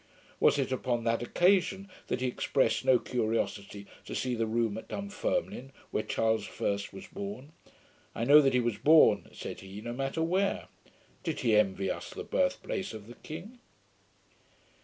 Was it upon that occasion that he expressed no curiosity to see the room at Dumfermline, where Charles I was born? 'I know that he was born,' said he; 'no matter where.' Did he envy us the birth place of the king?